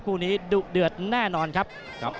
คู่นี้ดุเดือดแน่นอนครับ